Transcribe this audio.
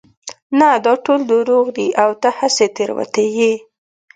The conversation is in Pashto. نه دا ټول دروغ دي او ته هسې تېروتي يې